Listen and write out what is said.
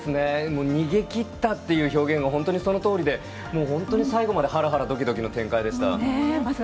逃げ切った！という表現が本当にそのとおりで本当に最後までハラハラドキドキの展開でした。